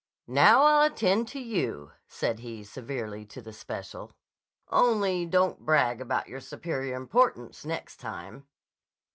"Now, I'll attend to you," said he severely to the special. "Only, don't brag about your superior importance, next time."